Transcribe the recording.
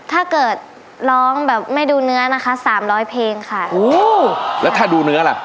ถ้าเกิดร้องแบบไม่ดูเนื้อนะคะสามร้อยเพลงค่ะโอ้แล้วถ้าดูเนื้อล่ะ